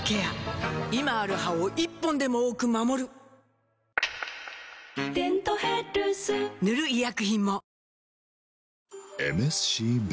今ある歯を１本でも多く守る「デントヘルス」塗る医薬品も